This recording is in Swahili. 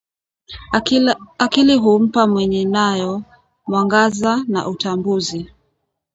Akili humpa mwenye nayo mwangaza na utambuzi